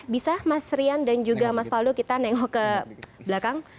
bisa mas rian dan juga mas faldo kita nengok ke belakang